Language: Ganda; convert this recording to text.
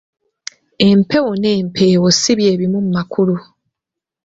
Empewo n'empeewo si bye bimu mu makulu.